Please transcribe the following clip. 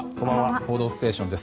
「報道ステーション」です。